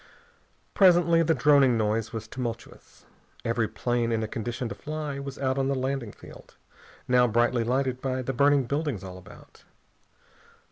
Presently the droning noise was tumultuous. Every plane in a condition to fly was out on the landing field, now brightly lighted by the burning buildings all about.